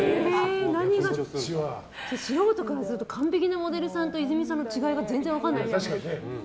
素人からすると完璧なモデルさんと泉さんの違いが全然分からないですけど。